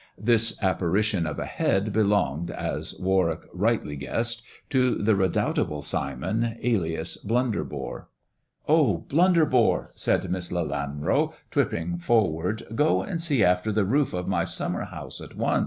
This apparition of a head belonged, as Warwick rightly guessed, to the redoubtable Simon, alias Blunderbore. " Oh, Blunderbore," said Miss Lelanro, tripping forward, *' go and see after the roof of my summer house at once."